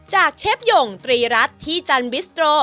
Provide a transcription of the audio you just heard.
เชฟหย่งตรีรัฐที่จันบิสโตร